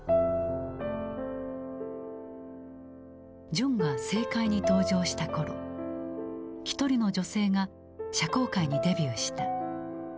ジョンが政界に登場した頃ひとりの女性が社交界にデビューした。